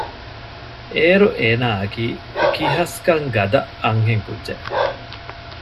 އޭރު އޭނާއަކީ ކިހަސްކަން ގަދަ އަންހެންކުއްޖެއް